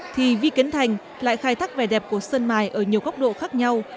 thì vi kiến thành lại khai thác vẻ đẹp của sơn mài ở nhiều góc độ khác nhau